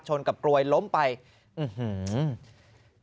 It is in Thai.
กับกรวยล้มไปอื้อหือ